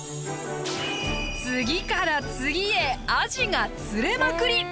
次から次へアジが釣れまくり！